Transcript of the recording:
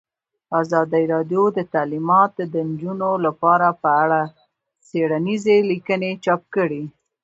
ازادي راډیو د تعلیمات د نجونو لپاره په اړه څېړنیزې لیکنې چاپ کړي.